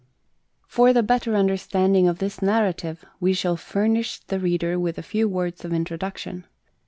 For the better understanding of this narrative we shall furnish the reader with a few words of introduction.